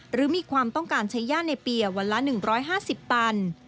หรือมีความต้องการใช้ย่าในเปียวันละ๑๕๐ตัน